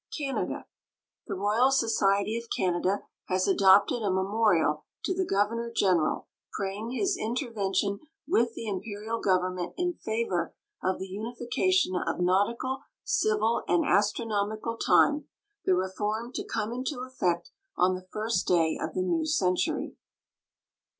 Canada. The Royal Society of Canada has adopted a memorial to the governor general praying his intervention with the imperial government in favor of the unification of nautical, civil, and astronomical time, the reform to come into effect on the first day of the new century.